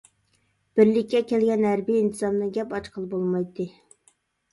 بىرلىككە كەلگەن ھەربىي ئىنتىزامدىن گەپ ئاچقىلى بولمايتتى.